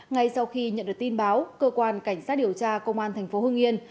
ngay sau khi nhận được tin báo cơ quan cảnh sát điều tra công an thành phố hưng yên